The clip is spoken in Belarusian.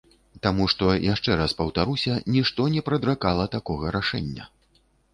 Таму што, яшчэ раз паўтаруся, нішто не прадракала такога рашэння.